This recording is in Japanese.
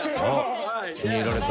気に入られた。